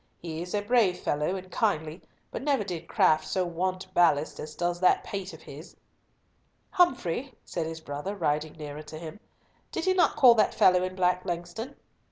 "He is a brave fellow and kindly, but never did craft so want ballast as does that pate of his!" "Humfrey," said his brother, riding nearer to him, "did he not call that fellow in black, Langston?"